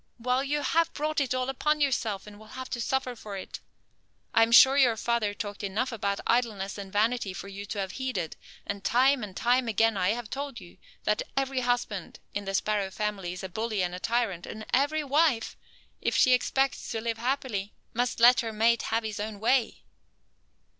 Well, you have brought it all upon yourself and will have to suffer for it. I am sure your father talked enough about idleness and vanity for you to have heeded, and time and time again I have told you that every husband in the sparrow family is a bully and a tyrant, and every wife, if she expects to live happily, must let her mate have his own way."